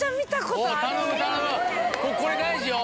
これ大事よ。